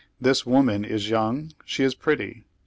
This woman is young, she is pretty.